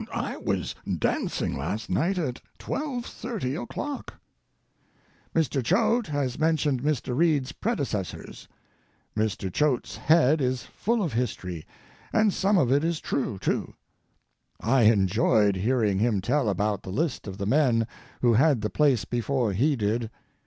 I was dancing last night at 2.30 o'clock. Mr. Choate has mentioned Mr. Reid's predecessors. Mr. Choate's head is full of history, and some of it is true, too. I enjoyed hearing him tell about the list of the men who had the place before he did.